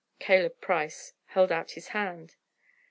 Caleb Price held out his hand.